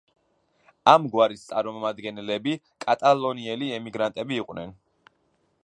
ამ გვარის წარმომადგენლები კატალონიელი იმიგრანტები იყვნენ.